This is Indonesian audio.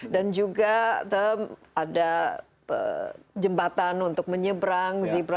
dan juga ada jembatan untuk menyebrang zebra crossing